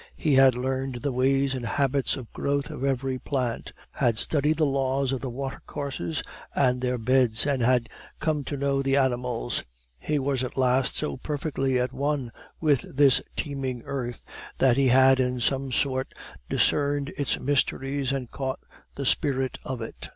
He had learned the ways and habits of growth of every plant, had studied the laws of the watercourses and their beds, and had come to know the animals; he was at last so perfectly at one with this teeming earth, that he had in some sort discerned its mysteries and caught the spirit of it.